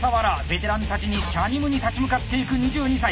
ベテランたちにしゃにむに立ち向かっていく２２歳。